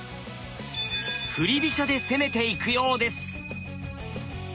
振り飛車で攻めていくようです。